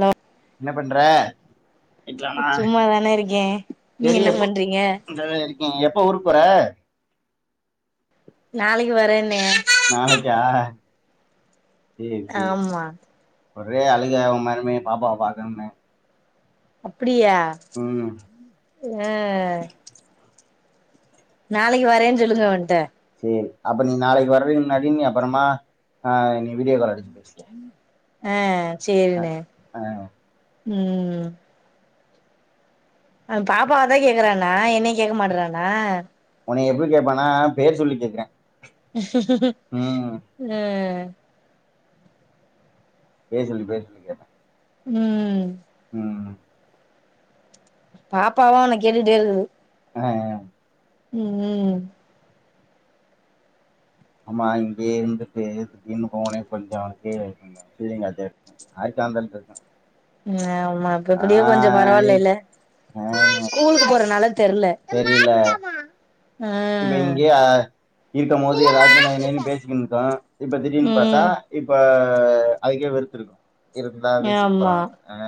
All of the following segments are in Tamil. லா என்ன பண்ற வீட்லனா சும்மாதானே இருக்கே நீங்க சரி என்ன எப்போ பண்றீங்க இருக்கேன் எப்ப ஊருக்கு போற நாளைக்கு வரேன் நாளைக்கா சேரி சேரி ஆமா ஒரே அழுக உங்க மருமவே பாப்பாவ பாக்கணும்னு அ அப்டியா ம் அ நாளைக்கு வரேன்னு சொல்லுங்க அவன்ட்ட அப்ப நீ நாளைக்கு வர்றீங்காடின் அப்புறமா அ நீ வீடியோ கால் அடிச்சிர் [inaudible] அ சேரினே ம் அ பாப்பாவ தா கேக்குறானா என்னய கேட்க மாட்றானா உன்னய எப்டி கேப்பானா பேர் சொல்லி கேட்கறே உஹ் பேர்சொலி பேர்சொல்லி கேப்பே ம் ம் பாப்பாவு உன்ன கேட்டுட்டே இருக்குது ஆ ஆ... உம் ம் ம் அம்மா இங்கயே இருந்துட்டு இன்னு போனே கொஞ்சோ கீழ இருந்த பிள்ளைங்க அத எடுத்து அது சாய்ந்ரோ பேசு ஆ மத்தபடி கொஞ்சோ ஆய் பரவாயில்லல்ல ஆ ஸ்கூலுக்கு போறது நால தெரியல ஆ இப்ப இங்கேயே இருக்கம் போது ஏதாவது நய்யு நய்யுனு பேசிக்கினு இருக்கு இப்ப திடீர்னு பாத்தா ம் இப்ப ஆ அதுக்கே வெறுத்து இருக்கு இருந்தா பேசியிப்பா ஆமா ஆ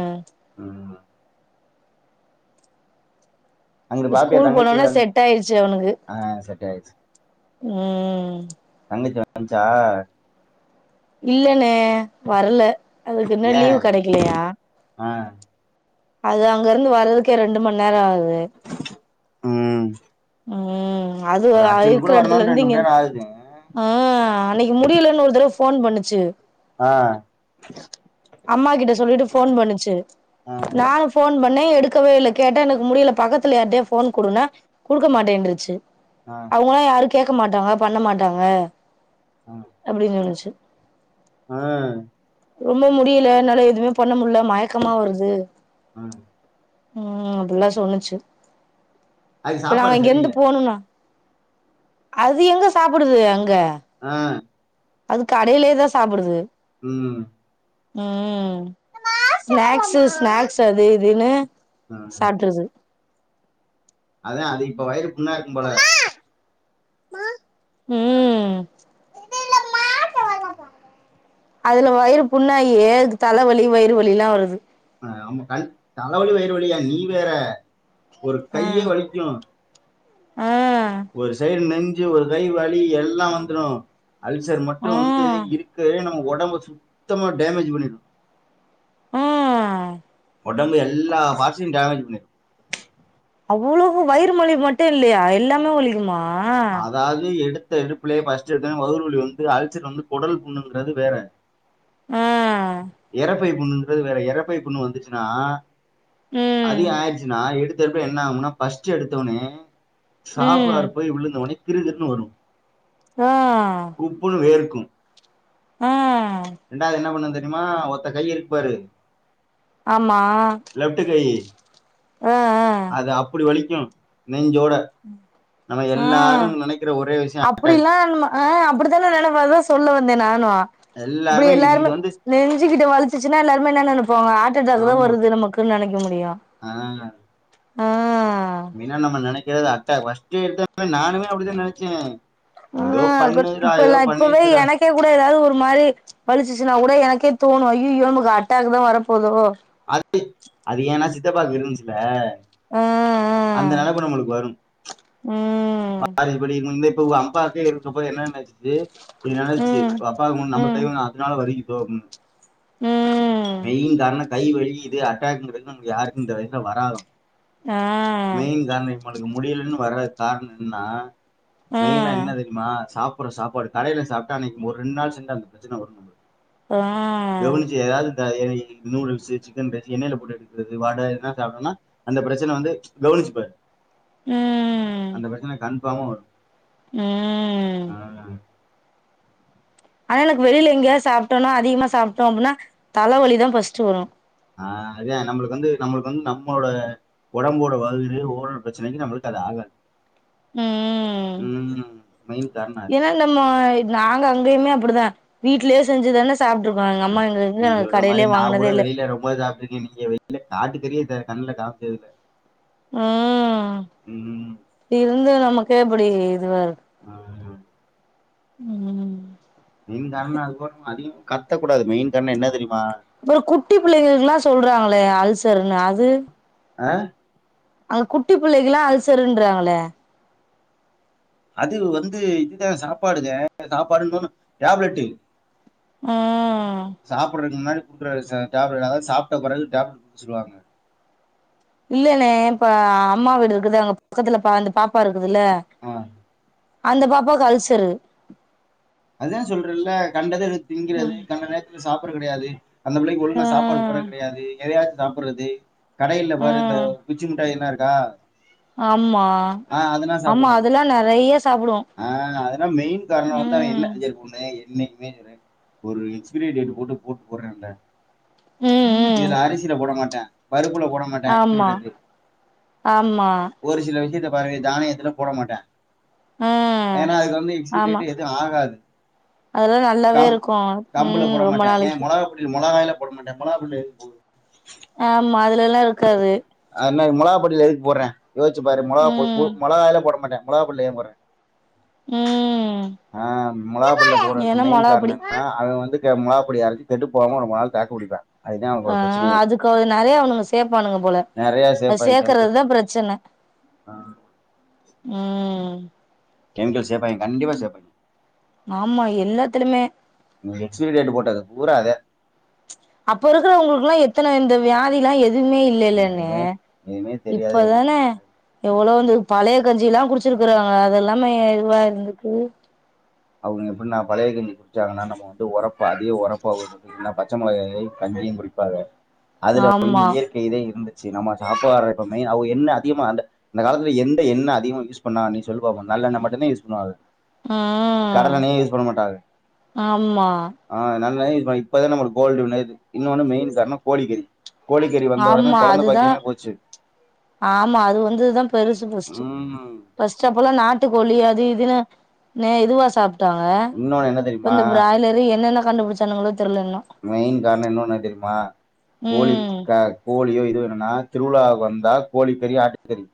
உம் ஆமா அங்குட்டு இப்ப பாப்பியா ஸ்கூல் தங்கச்சி போனோனே வந் செட் ஆயிடுச்சு அவனுக்கு ஆ செட் ஆயிடுச்சு உம் இன்னைக்கு வந்துச்சா இல்லனே வரல அதுக்கு இன்னு ஏ லீவு கெடக்கலையா ஆ அது அங்க இருந்து வர்றதுக்கே ரெண்டு மணி நேர ஆகுது உம் உம் அது ஆ இருக்ற இடத்ல வரணுன்னு இருந்து ரெண்டு இங்க மண் நேரோ ஆகுது ஆ அன்னைக்கு முடியலன்னு ஒரு தடவ ஃபோன் பண்ணுச்சு ஆ அம்மா கிட்ட சொல்லிட்டு போன் பண்ணுச்சு ஆ நானு போன் பண்ணே எடுக்கவே இல்ல கேட்டா எனக்கு முடியல பக்கத்துல யாரிட்டயா ஃபோன் குடுனா குடுக்க மாட்டேருச்சு ஆ ஆ அவங்களா யாருக்கு கேக்க மாட்டாங்க பண்ண மாட்டாங்க அப்டினு நெனச்சு ஆ ரொம்ப முடியல என்னால எதுவுமே பண்ண முடில மயக்கமா வருது ஆ உம் அப்டில்லா சொன்னுச்சு அது இப்ப நா சாப்பாடு இங்க இருந்து சரியில்ல போணுனா அது எங்க சாப்டுது அங்க ஆ அது கடயிலே தா சாப்டுது ம் ம் ஸ்நாக்ஸ்சு ஸ்நாக்ஸ் ட்ட அது இதுனு ஆ சாப்டுறது அதா அது இப்ப வயிறு புண்ணா இருக்கும் போல ம் அதுல வயிறு புண்ணாயி அதுக்கு தலவலி வயிறு வலில்லா வருது ஆ ஆமா கண் தலவலி வயிறுவலியா நீ வேற ஒரு ஆ கையே வலிக்கு ஆ ஒரு கை வலி எல்லா வந்துரு அல்சர் மட்டு ஆ வந்து இருக்கவே நம்ம ஒடம்ப சுத்தமா டேமேஜ் பண்ணிரு ம் ஒடம்பு எல்லா பாட்ஸயு டேமேஜ் பன்னிரு அவ்ளவு வயிறு மொழி மட்டு இல்லையா எல்லாமே வலிக்குமா அதாவது எடு த்த எடுப்புலயே ஃபர்ஸ்ட் எடுத்த உடனே வவுறு வலி வந்து அல்சர் வந்து குடல் புண்ணுங்கிறது வேற ஆ எறட் இறப்பை புண்ணுகிறது வேற எறப்பை புண்ணு வந்துச்சுன்னா ம் அதிக ஆயிடுச்சுனா எடுத் சிலபேர் என்ன ஆவுனா ஃபர்ஸ்ட் எடுத்த உடனே ம் சாப்பாடு போய் விழுந்து உனே கிருகிருன்னு வரு ஆ கும் ஆ ரெண்டாவது என்ன பண்ணுந்த யாம்மா ஒத்த கை இருக்குபாரு ஆமா அ அ அது அப்படி வலிக்கும் நெஞ்சோட நம்ம எலு நே ம் அப்டிலா நம் அ அப்டிதனே நினைப்போ அதா சொல்ல வந்தே நா [unintelligible] இப்டி இது இது எல்லாருமே வந்து நெஞ்சுகிட்ட வலிச்சிச்சின்னா எல்லாருமே என்ன நெனப் ப்போ ஹார்ட் அட்டாக் தா வருது நமக்கு நெனைக் ஆ மெயினா நம்ம நெனைக்கிறது அத் ஃபஸ்ட் எடுத்த அப்போ நானுமே அப்டிதா நெனச்சேன் ஆ இப்பல்லா இப்பவே எனக்கே கூட ஏதாவது ஒரு மாரி வலிச்சிச்சுன்னா கூட எனக்கே தோணும் ஐயோயோ நமக்கு ஆட்டாக்குதா வர போதோ அது அது ஏன்னா சித்தப்பாக்கு இருந்துச்சில அ அந்த நெனப்பு நம்மளுக்கு வரும் ம் யாருக்கு எப்டி இருக்கும்னோ உங்க அப்பாக்கு இருக்கும்போது என்ன நடந்துச்சு இது நெனைச்சி ம் ஓ அப்பாக்கு முன் நம்ம ம் [unintelligible] அதனால வருகி [unintelligible] ம் இது அட்டாக்குக்கிறது நமக்கு யாருக்கும் இந்த வயசுல வராதம் ஆ மெயின் காரணோ [unintelligible] முடியலன்னு வராது காரணம் என்ன ஆ மெயினா என்ன தெரிமா சாப் அப்றோ சாப்பாடு கடைல சாப்ட்டா அன்னிக்கு ஒரு ரெண்டு நாள் சென்றால் அந்த பிரச்சன வரு நம்மளுக்கு ஆ கவனிச்சு [unintelligible] நூடுல்ஸு சிக்கன் ரைஸ் எண்ணெயில போட்டு எடுக்கிறது வடை இத சாப்பிட்டனா அந்த பிரச்சன வந்து கவனிச்சிப்பாரு ம் அந்த பிரச்சன கண் [unintelligible] ம் ஆ ஆனா எனக்கு வெளியில எங்கேயாது சாப்ட்டேனா அதிகமா சாப்ட்டோ அப்டின்னா தலவலி தா ஃபஸ்ட் வரும் ஆ அதன் நம்மளுக்கு வந்து நம்மளுக்கு வந்து நம்மோட ஓடம்போட வயிறு ஓரல் பிரச்சனக்கு நம்மளுக்கு அது ஆகாது ம் ம் மெயின் காரண அது இதான் நம்ம நாங்க அங்கயுமே அப்டிதா வீட்லயே செஞ்சுது தானே அ நீ சொல்ற மாரி நா கூட வாங்குனதே இல்ல வெளியில ரொம்ப சாப்பிட்டு இருக்கன் நீங்க வெளில காட்டு கரி த கண்ல காம்ச்சதுல ம் இருந்த நமக்கு இப்புடி இதுவாரு ஆ ம் ம் மெயின் காரண அது [inaudible] அதிகமா கத்தக்கூடாது மெயின் காரணொ என்ன தெரியு அப்புறொ குட்டி புள்ளைங்களுக்குல்லா சொல்றாங்களே அல் சர்னு அது அ அங்க குட்டி புள்ளைக்குல்லா அல்சருன்றாங்களே அது வந்து இதுதா சாப்பாடுதே சாப்பாடு இன்னோனு டேப்லெட்டு் ம் [unintelligible] டேப்லெட் அதாது சாப்ட பெறகு டேப் சொல்வாங்க இல்லண்ணே இப்ப அம்மா வீடு இருக்குது அங்க பக்கத்துல பா அந்த பாப்பாரு க்குதுல்ல ஆ அந்த பாப்பாக்கு அல்சரு அதா சொல்றெல்ல கண்டத எடுத் திங்கிறது ம் கண்ட நேரத்துல சாப் புற கிடயாது அந்த பிள்ளக்கி ஒழுங்கா சாப்பாடு ம் போர்றது கெடயாது எதையா சாப்புர்றது கடையில்ல பாரு இந்த ம் குச்சி முட்டாய் என்னாருக் குதா ஆமா ஆமா சாப்பிடுறது அதல்லா நறைய சாப்புடு ஆ அதெல்லாம் மெயின் காரணம் ம் [unintelligible] என்னைக்குமே சொல்றெ ஒரு எக்ஸ்பிரி டேட்டு போட்டு போட்டு போர்றென்ல ம் ம் இதுல அரிசில போட மாட்டா பருப் புல போட மாட்டா எக்ஸ்பிரி ஆமா டேட்டு ஆமா ஒரு சில விஷ்யத்த பாருங்க தானியத்துல போட மாட்டா ம் ஏன்னா அதுக்கு வந்து எக்ஸ்பிரி டேட்டு எ ஆகாது அதுல்லா நல்லாவே இருக்கு ம் ரொம்ப நாளக்கி மொளகாய்ல போட மாட்டே மொளகா பொடில எதுக்கு போன்னு ஆமா அது லெல்லா இருக்காது என்ன மொளாகாப்பொடில எதுக்கு போடுறே யோசிச்சு பாரு மொளகா போ ம் மொளகாலயே போட மாட்டே மொளகா பொட்டில் ஏ போறே ம் ஆ மொளகாபொடிள போறக்கு மெயின் என்னமோல அப்டி காரணோ என்னா அது வந்து இந்த மொளகாப்பொடியரச்சி கெட்டு போம ரொம்ப நாள் தாக்கு புடிப்பே ஆ அதுக்குது நிறைய அவனுங்க சேர்பானுங்க போல நிறைய அது சேர்ப்பாங்க கெமிக்கல் சேர்க்கறதுதா சேர்ப்பாங்க பிரச்சனை ம் கெமிக்கல் சேப்பாங்க கண்டிப்பா சேப் ஆமா எல்லாத்துலுமே எக்ஸ்பரி டேட் போட்ட பூரா அதே வியாதிலா எது எதுவுமே இல்லல்லன்னு எதுவுமே எதுவுமே தெரியாது எதுவுமே இப்பதானே பண்ணாது எவ்வளவு வந்து பழைய கஞ்சில்லா குடிச்சிருக்குறாங்க அதெல்லாமே இதுவா இருந்துக்கு அவங்க எப்படின்னா பழைய கஞ்சி குடிச்சாங்கன்னா நம்ம வந்து ஒரப்பு அதே ஒரப்பு அவன்னா பச்சை மிளகாயையு கஞ்சியு குடிப்பாங்க அதுல வந்து ஆமா இயற்கை இதே இருந்து சரி நம்ம சாப்பாடுறப்ப மய எண்ணய அதிகமா அந்த அந்த கால எந்த எண்ணெ அதிகமா யூஸ் பண்ணா நீ சொல்லுபாப்போ நல்லெண்ணெ மட்டுதா யூஸ் பண்ணுவாவ ம் ஆமா நல்லணெயே யூஸ் பண் இப்பதா நம்ம கோல்டு வின்னரு இன்னொன்னு மெயின் காரணோ கோழிக்கறி கோழிக்கறி வந்த உடனே ஆமா குழந்தை அதுதா பாக்கியமே போச்சு ஆமா அது வந்ததுதா பெருசுஸு ஃபஸ்ட்டு உம் ஃபஸ்ட்டு அப்பலா நாட்டு போலி அது இது நு இதுவா சாப் ட்டாங்க இன்னொன்னு என்ன தெரியுமா இப்பந்த பிராய்லரு என்னென்ன கண்டுபிடிச்சானுங்களோ தெர்ல இன்னு மெயின் காரணோ இன்னொன் என்னன்னு தெரியுமா கோழி ம் கோழியோ இதுவு என்னன்னா திருவிழாவுக்கு வந்தா கோழி பெரிய ஆட்டக்கறி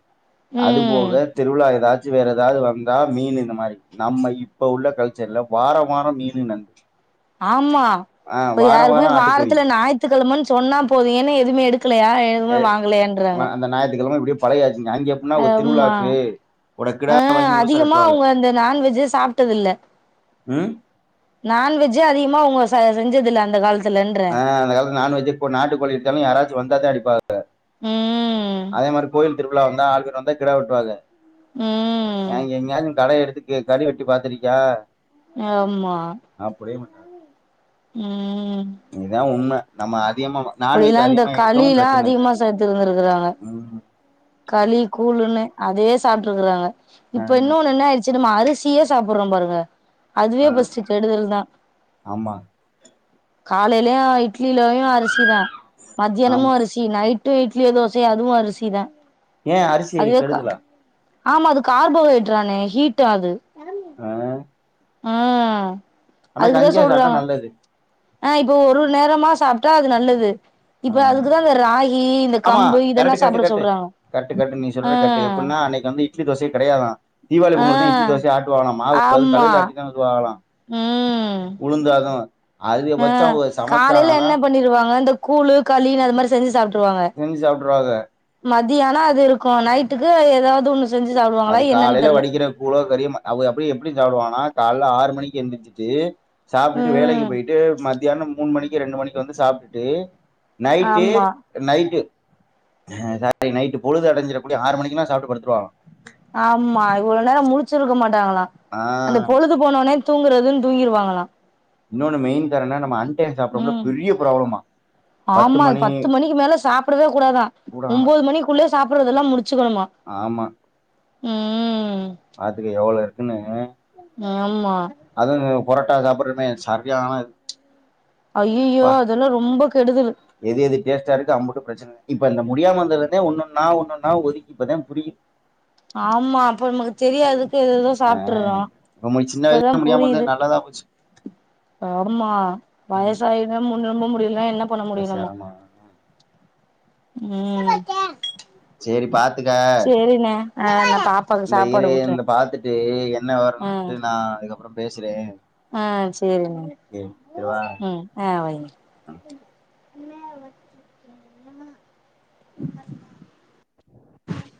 அது ம் போக திருவிழாயதாச் ச்சு வேற ஏதாவது வந்தா மீன் இந்த மாரி நம்ம இப்ப உள்ள கல்ச்சர்ல வாரோ வாரோ மீன் நந்து ஆமா இப்ப யாருக்குமே ஆட்டுக்கறி வாரத்துல ஞாயி்த்துக்கிழமன்னு சொன்னா போது ஏன்ன எதுமே எடு இருக்கலையா எதுவுமே வாங்கலையன்றாங்க பழையா ஆம்மா ஒரு கிடா ஆ வாங்கி முழுசா அதிகமா வெட்டுவாங்க அவங்க அந்த நான்வெஜ்ஜ சாப்ட்டதுல்ல ம் நான்வெஜ்ஜே அதிகமா உங்க செஞ்சதில்ல அந்த காலத்து ஆ அந்தகாலத்துல நான் வெஜ் இப்பரு நாட்டு கோழி எடுத்தாலு யாரச்சு வந்தாதா எடுப்பாக ம் அதே மாரி கோயில் திருவிழா வந்த ஆர்க வந்தா கெடா வெட்டுவாங்க ம் நாங்க எங்கயாதுக் கடை எடு க்கு கறி வெட்டி பாத்ருக்கியா ஆம்மா ம் இதா உண்ம நம்மாத் அப்டிலா இந்த களிலா அதிகமா சேர்த்துருந்திருக்கறாங்க ம் களி கூளுன்னு அதே சாப்ட்ருக்குறாங்க ஆ இப்ப இன்னொன்னு என்ன ஆய்டுச்சு நம்ம அரிஸ் சியே சாப்பறோ பாருங்க அதுவே ஆ ஃபஸ்ட் கெடுதல் தா ஆமா காலலயே ஆய் இட்லிலயு அரிசி தா மத்தியானமு ஆமா அரிசி நைட் டு இட்லியோ தோசையா அதுவு அரிசி தா ஏ அரிசி கெடுதலா ஆமா அது கார்போஹைட்ரானே ஹீட்டா அது ஆ ஆ ஆனா கஞ்சியா சாப்ட்டா நல்லது ஆ இப்போ ஒரு ஒரு நேரமா சாப்ட்டா அது நல்லது ஆ இப்ப அதுக்குதா இந்த ராகி இந்த ஆமா கம்பு இதெல்லா கரெக்ட் கரெக்ட் சாப்புட கரெக்ட் சொல்றாங்க கரெக்ட் கரெக்ட் நீ சொல்ற கரெக்ட் ம் எப்டின்னா அன்னைக்கு வந்து இட்லி தோசயே கெடையாதா தீவாவளி பொங்கலுக்கு தா இட்லி தோசையை ஆட்டுவாகலா மாவு அது ஆமா கடெய்ல ஆட்டி தா வருவாகலா உளுந்தாத அ காலயில என்ன பண்ணிருவாங்க இந்த கூழு களினு அது மாரி செஞ்சு சாப்டு செஞ்சு சாப்ட்ருவாக தியானா அது இருக்கு நைட்டுக்கு அது எதாவது ஒண்ணு செஞ்சு சாப்டுவாங்களா அது என்னன்னு காலைல தெர்ல வடிக்கிற கூழோ களியோ ம் அவுக அப்டி எப்டி சாப்டுவாங்கனா கால்ல ஆறு மணிக்கி எந்திரிச்சுட்டு சாப்ட்டுட்டு வேலக்கு ம் பேய்ட்டு மத் மத்யானோ மூணு மணிக்கு ரெண்டு மணிக்கு வந்து சாப்ட்டுட்டு நைட்டு ஆமா நைட்டு ஆ சரி நைட்டு பொழுது அடஞ்சரக்குள்ளயு ஆறு மணிக்கல்லா சாப்ட்டு படுத்துருவாகளா ஆமா இவ்ளோ நேரோ முழிச்சிருக்க மா ட்டாங்களா அந்த ஆ பொழுது போனவுன்னே தூங்கறதுன்னு தூங்கிருவாங்களா இன்னொன்னு மெயின் காரணோ நம்ம அன் ம் ஆமா அது பத்து மணிக்கு மேல சாப்படவே கூடாதா. கூட ஆகலாம் ஒம்போது மணிக்குள்ளயே சாப்படறதெல்லா முடிச்சுக்கணுமா. ஆமா ம் பாத்துக்க எவ்ளோ இருக்குன்னு ஆமா அதுவு புரட்டா சாப்படறமே சரியான ஐயயோ பா அதெல்லா ரொம்ப கெடுதல் எது எது டேஸ்ட்டா இருக்கோ அம்புட்டு பிரச்சன இப்ப இந்த முடியாம இருந்ததுன்னே ஒன்னொன்னா ஒன்னொன்னா ஒதுக்கி இப்பதா புரியு ஆமா அப்ப நமக்கு தெரியாதுக்கு எதெதோ ஆ சாப்ட்டுர்றோ ரொம்ப சின்ன இப்பதா வயசுல முடியாம புரியுது வந்தது நல்லதா போச்சு ஆமா வயசாயினே ரொம்ப முடிய லனா என்ன பண்ண அது முடியு நம்மோ செரமோ ம் சேரி பாத்துக்க சேரிண்ணே ஆ பாப்பாவுக்கு சாப்பாடு ஊட்றே ட்டு எ ன்ன ம் வரணுன்ட்டு நா அதுக்கப் பறோ பேசுறே ஆ சேரிண்ணே சேரி வா உம் ஆ ஆ அ [unintelligible]